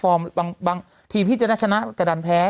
ฟอร์มบางทีพี่เจนชนะก็ดันแพ้